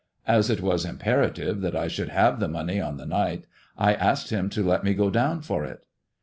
As it was im perative that I should have the money on the night, I asked him to let me go down for it."